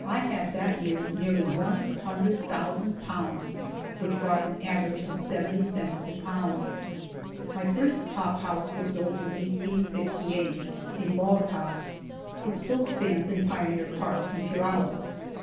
I had that year nearly one hundred thousand pounds, which brought an average of seventy cents a pound. My first hop house was built in 1868 a log house. It still stands in Pioneer Park in Puyallup.